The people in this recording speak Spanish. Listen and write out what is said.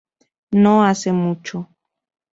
No hace mucho.